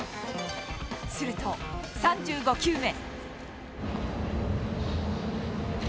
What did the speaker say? すると、３５球目。